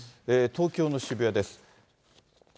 東京の渋谷です。